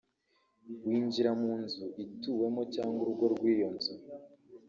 winjira mu nzu ituwemo cyangwa urugo rw’iyo nzu